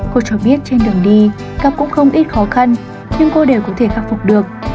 cô cho biết trên đường đi gặp cũng không ít khó khăn nhưng cô đều có thể khắc phục được